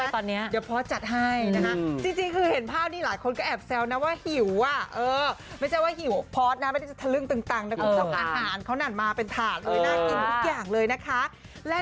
ทำได้ปั๊บแน่นอนนั้นจ้า